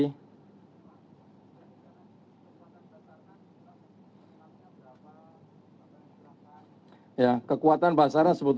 titi kekuatan basarnas sudah ada di situ